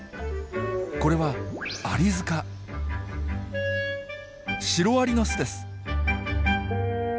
これはシロアリの巣です。